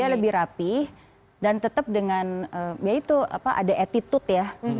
dia lebih rapih dan tetap dengan ya itu apa ada attitude ya